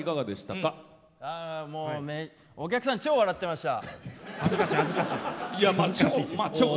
お客さん、超笑ってました。